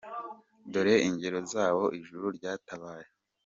Dore ingero z’abo ijuru ryatabaye :.